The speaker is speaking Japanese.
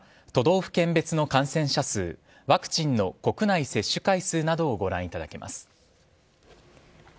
都道府県別の感染者数ワクチンの国内接種回数などをご覧いただけます。